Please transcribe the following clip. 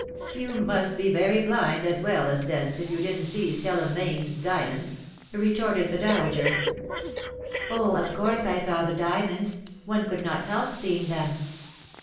'''^ You must be very blind, as well as dense, if you didn't see Stella Mayne's diamonds," retorted the dowager. ^' Oh, of course I saw the diamonds. One could not help seeing them.'